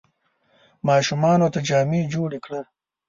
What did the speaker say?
ماشومانو ته جامې جوړي کړه !